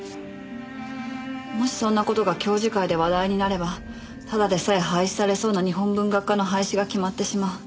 もしそんな事が教授会で話題になればただでさえ廃止されそうな日本文学科の廃止が決まってしまう。